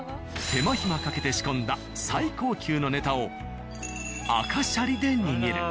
手間暇かけて仕込んだ最高級のネタを赤シャリで握る。